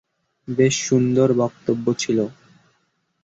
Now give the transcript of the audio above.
বেশ সুন্দর বক্তব্য ছিল!